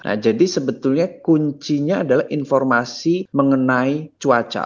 nah jadi sebetulnya kuncinya adalah informasi mengenai cuaca